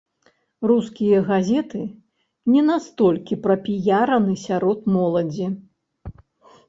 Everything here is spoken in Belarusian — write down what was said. Рускія газеты не настолькі прапіяраны сярод моладзі.